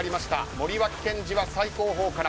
森脇健児は最後方から。